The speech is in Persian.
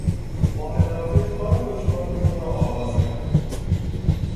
با اراده کار دشوار خود را آغاز کرد.